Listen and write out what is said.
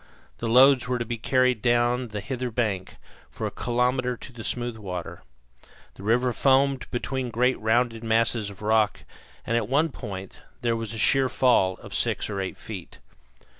The loads were to be carried down the hither bank, for a kilometre, to the smooth water. The river foamed between great rounded masses of rock, and at one point there was a sheer fall of six or eight feet.